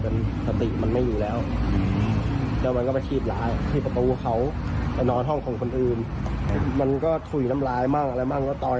โอ้นี่เห็นไหม